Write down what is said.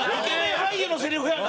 俳優のセリフやんか！